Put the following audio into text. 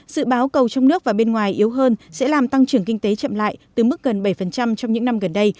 dự báo cầu trong nước và bên ngoài yếu hơn sẽ làm tăng trưởng kinh tế chậm lại từ mức gần bảy trong những năm gần đây